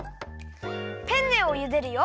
ペンネをゆでるよ！